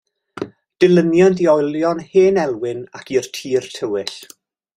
Dilyniant i Olion Hen Elwyn ac I'r Tir Tywyll.